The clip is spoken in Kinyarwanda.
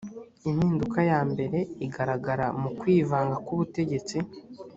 impinduka ya mbere igaragara mu kwivanga k ubutegetsi